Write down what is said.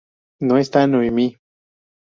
¿No es ésta Noemi?